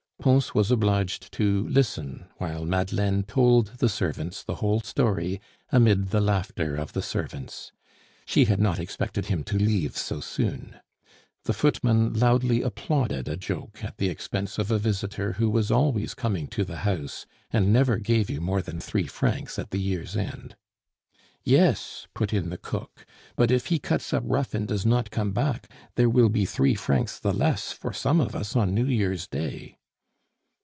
Pons was obliged to listen while Madeleine told the servants the whole story amid the laughter of the servants. She had not expected him to leave so soon. The footman loudly applauded a joke at the expense of a visitor who was always coming to the house and never gave you more than three francs at the year's end. "Yes," put in the cook; "but if he cuts up rough and does not come back, there will be three francs the less for some of us on New Year's day."